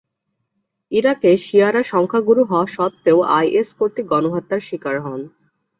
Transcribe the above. ইরাকে শিয়ারা সংখ্যাগুরু হওয়া সত্ত্বেও আইএস কর্তৃক গণহত্যার শিকার হন।